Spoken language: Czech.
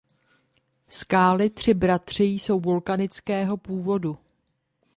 Skály Tři bratři jsou vulkanického původu.